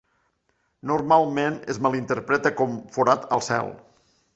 Normalment es malinterpreta com "forat al cel".